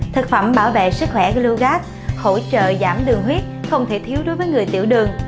thực phẩm bảo vệ sức khỏe glugat hỗ trợ giảm đường huyết không thể thiếu đối với người tiểu đường